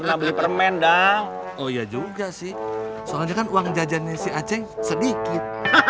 pernah beli permen dong oh iya juga sih soalnya kan uang jajannya si aceh sedikit